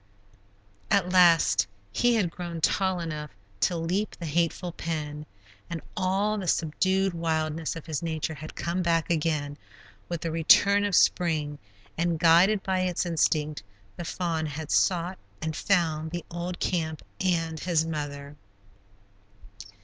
At last he had grown tall enough to leap the hateful pen, and all the subdued wildness of his nature had come back again with the return of spring, and guided by its instinct, the fawn had sought and found the old camp and his mother.